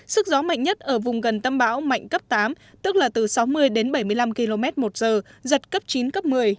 sức gió mạnh nhất ở vùng gần tâm áp thấp nhiệt đới mạnh cấp tám tức là từ sáu mươi đến bảy mươi năm km một giờ giật cấp chín cấp một mươi